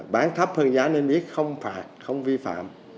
bán thấp hơn giá niêm yết không phạt không vi phạm